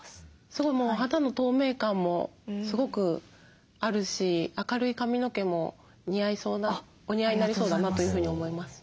すごいもう肌の透明感もすごくあるし明るい髪の毛も似合いそうなお似合いになりそうだなというふうに思います。